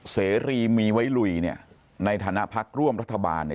เสรีมีไว้ลุยเนี่ยในฐานะพักร่วมรัฐบาลเนี่ย